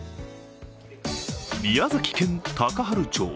宮崎県高原町。